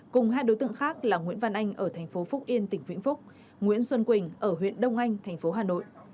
cùng hai đối tượng khác là nguyễn văn anh ở thành phố phúc yên tỉnh vĩnh phúc nguyễn xuân quỳnh ở huyện đông anh thành phố hà nội